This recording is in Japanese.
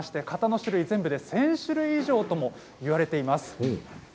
型の種類は全部で１０００種類以上ともいわれています。